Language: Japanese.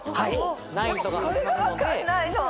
でもこれが分かんないの。